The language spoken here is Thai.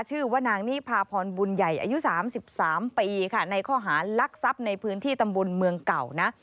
ชื่อว่านางนี่พาพรบุญใหญ่อายุ๓๓ปีค่ะในข้อหารักทรัพย์ในพื้นที่ตำบลเมืองเก่านะ